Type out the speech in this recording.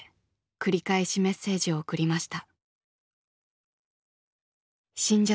繰り返しメッセージを送りました。